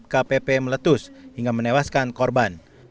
kpp meletus hingga menewaskan korban